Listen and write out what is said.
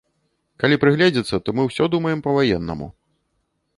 Калі прыгледзецца, то мы ўсё думаем па-ваеннаму.